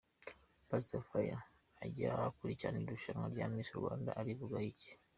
Pastor Fire ajya akurikirana irushanwa rya Miss Rwanda? Arivugaho iki?.